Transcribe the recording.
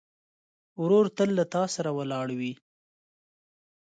ورور تل له تا سره ولاړ وي.